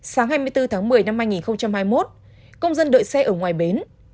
sáng hai mươi bốn một mươi hai nghìn hai mươi một công dân đợi xe ở ngoài bến